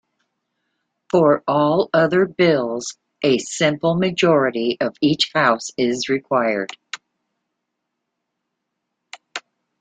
For all other bills, a simple majority of each house is required.